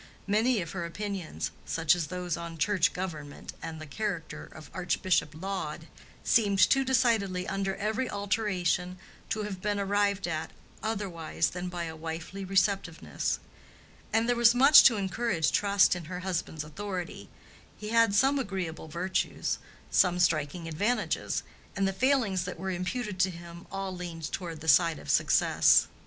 Many of her opinions, such as those on church government and the character of Archbishop Laud, seemed too decided under every alteration to have been arrived at otherwise than by a wifely receptiveness. And there was much to encourage trust in her husband's authority. He had some agreeable virtues, some striking advantages, and the failings that were imputed to him all leaned toward the side of success.